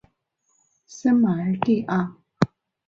圣马尔蒂阿。